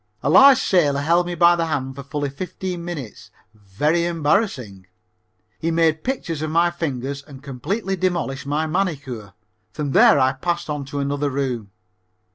A large sailor held me by the hand for fully fifteen minutes. Very embarrassing! He made pictures of my fingers and completely demolished my manicure. From there I passed on to another room.